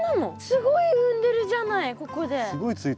すごい産んでるじゃないここで。